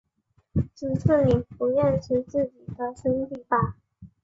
只是你不认识自己的身体吧！